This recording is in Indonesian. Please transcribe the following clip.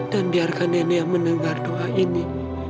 dan biarkan nenek yang mendengar doa ini